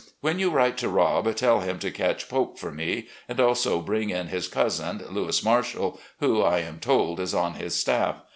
When you write to Rob, tell him to catch Pope for me, and also bring in his cousin, Louis Marshall, who, I am told, is on his staff.